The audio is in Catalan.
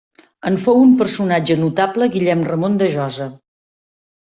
En fou un personatge notable Guillem Ramon de Josa.